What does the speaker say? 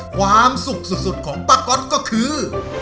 ความสุขสุดของป้าก๊อตก็คือ